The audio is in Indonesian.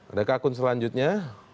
adakah akun selanjutnya